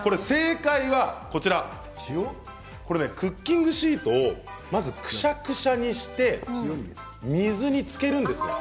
正解は、クッキングシートをまず、くしゃくしゃにして水につけるんです。